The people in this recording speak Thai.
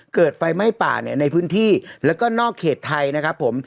เกิดไฟไหม้ป่าในพื้นที่แล้วก็นอกเขตไทยนะครับผม